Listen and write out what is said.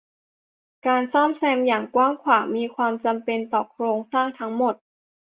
การซ่อมแซมอย่างกว้างขวางมีความจำเป็นต่อโครงสร้างทั้งหมด